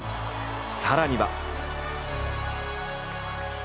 さらには。